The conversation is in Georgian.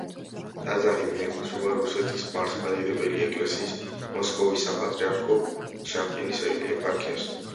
ტაძარი მიეკუთვნება რუსეთის მართლმადიდებელი ეკლესიის მოსკოვის საპატრიარქოს შახტინის ეპარქიას.